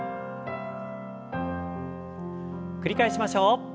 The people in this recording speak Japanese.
繰り返しましょう。